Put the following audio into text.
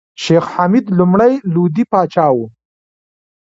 شېخ حمید لومړی لودي پاچا وو.